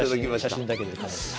写真だけではい。